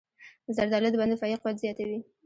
زردالو د بدن دفاعي قوت زیاتوي.